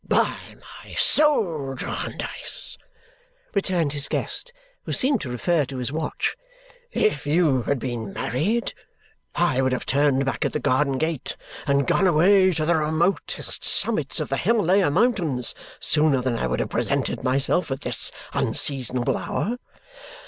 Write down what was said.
"By my soul, Jarndyce," returned his guest, who seemed to refer to his watch, "if you had been married, I would have turned back at the garden gate and gone away to the remotest summits of the Himalaya Mountains sooner than I would have presented myself at this unseasonable hour."